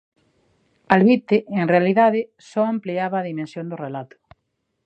Alvite, en realidade, só ampliaba a dimensión do relato.